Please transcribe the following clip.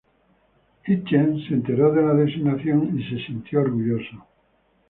Hitchens se enteró de la designación y se sintió orgulloso.